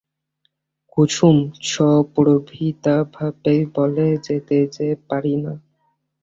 কুসুম সপ্রতিভভাবেই বলে, যেতে যে পারি না।